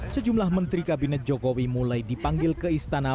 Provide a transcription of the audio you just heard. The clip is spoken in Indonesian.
sejumlah menteri kabinet jokowi mulai dipanggil keistimewaan